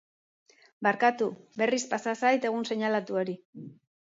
Barkatu, berriz pasa zait egun seinalatu hori.